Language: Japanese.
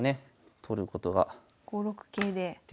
取ることが５六桂で。